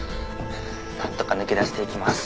なんとか抜け出して行きます。